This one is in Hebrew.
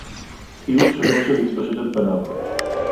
חִיּוּךְ שֶׁל אשֶׁר הִתְפַּשֵּׁט עַל פָּנָיו